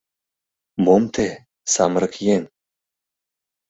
— Мом те, самырык еҥ?